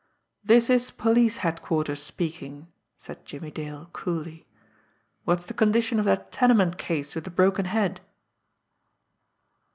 "This is police headquarters speaking," said Jimmie Dale coolly. "What's the condition of that tenement case with the broken head?"